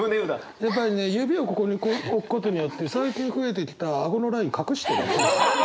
やっぱりね指をここに置くことによって最近増えてきた顎のライン隠してる。